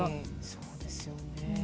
そうですよね。